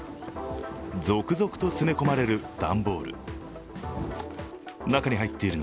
続々と詰め込まれる段ボール。